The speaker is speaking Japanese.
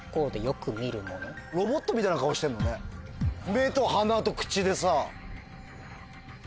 目と鼻と口でさ。